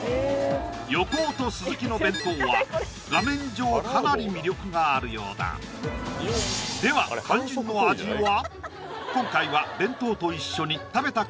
横尾と鈴木の弁当は画面上かなり魅力があるようだでは肝心の味は？